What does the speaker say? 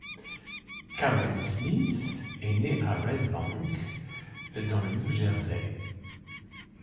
Karen Smith est née à Red Bank, dans le New Jersey.